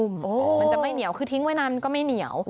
มันจะไม่เหนียวคือทิ้งไว้นานก็ไม่เหนียว